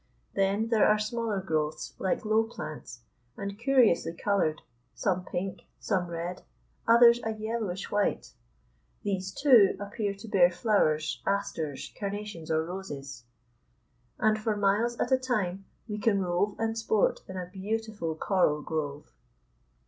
Then there are smaller growths like low plants, and curiously colored, some pink, some red, others a yellowish white. These, too, appear to bear flowers, asters, carnations, or roses. And for miles at a time we can rove and sport in a beautiful coral grove.